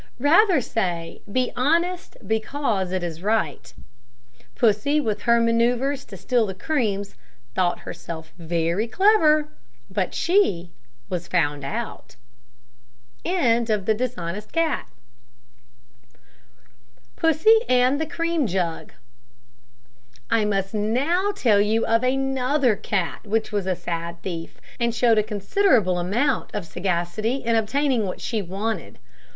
Rather say, "Be honest because it is right." Pussy, with her manoeuvres to steal the creams, thought herself very clever, but she was found out. PUSSY AND THE CREAM JUG. I must now tell you of another cat which was a sad thief, and showed a considerable amount of sagacity in obtaining what she wanted.